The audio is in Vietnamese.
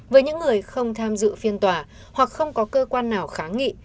với những người không tham dự phiên tòa hoặc không có cơ quan nào kháng nghị